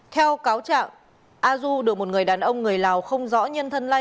theo cáo trạng a du được một người đàn ông người lào không rõ nhân thân lai